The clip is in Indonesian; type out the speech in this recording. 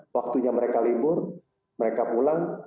waktunya mereka libur mereka pulang